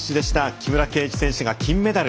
木村敬一選手が金メダル。